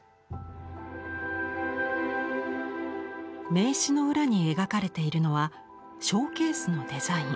名刺の裏に描かれているのはショーケースのデザイン。